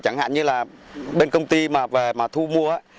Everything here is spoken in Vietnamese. chẳng hạn như là bên công ty mà thu mua